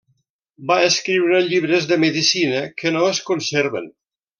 Va escriure llibres de medicina que no es conserven.